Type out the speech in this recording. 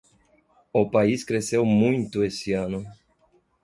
O país cresceu muito esse ano.